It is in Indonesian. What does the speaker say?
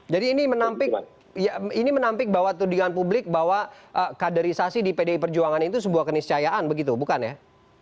jadi ini menampik bahwa tuduhan publik bahwa kaderisasi di pd perjuangan itu sebuah keniscayaan begitu bukan ya